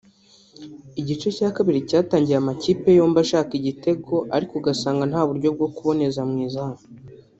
Igice cya kabiri cyatangiye amakipe yombi ashaka igitego ariko ugasanga nta buryo bwo kuboneza mu izamu